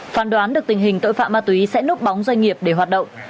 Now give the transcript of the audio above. phán đoán được tình hình tội phạm ma túy sẽ núp bóng doanh nghiệp để hoạt động